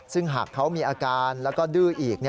ซึ่งหากเขามีอาการแล้วก็ดื้ออีก